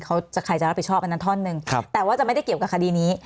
ใครจะรับผิดชอบอันนั้นท่อนหนึ่งครับแต่ว่าจะไม่ได้เกี่ยวกับคดีนี้